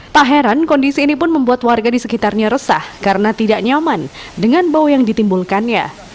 tak heran kondisi ini pun membuat warga di sekitarnya resah karena tidak nyaman dengan bau yang ditimbulkannya